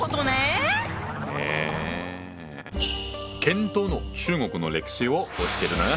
「検討」の中国の歴史を教えるな。